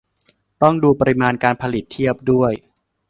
ต้องดูปริมาณการผลิตเทียบด้วย